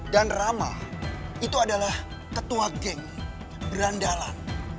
dan rama itu adalah ketua geng berandalan